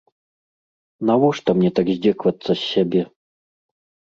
Навошта мне так здзекавацца з сябе?